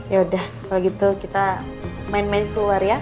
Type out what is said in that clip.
yaudah kalau gitu kita main main keluar ya